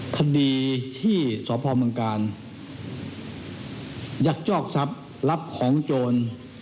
คดีที่สพการยักษ์จ้อกทรัพย์รับของโจร